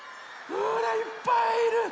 ほらいっぱいいる。